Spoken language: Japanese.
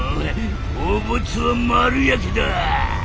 汚物は丸焼きだ！